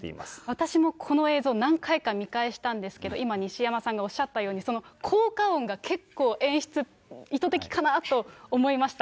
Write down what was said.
私もこの映像、何回か見返したんですけど、今、西山さんがおっしゃったように、効果音が結構、演出、意図的かなと思いました。